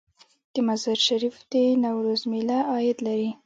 د مزار شریف د نوروز میله عاید لري؟